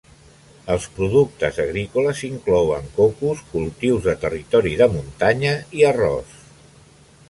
Els productes agrícoles inclouen cocos, cultius de territori de muntanya i arròs.